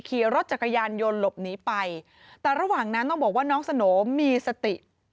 ขี่รถจักรยานยนต์หลบหนีไปแต่ระหว่างนั้นต้องบอกว่าน้องสโนมีสติ